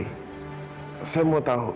ina putri saya mau tau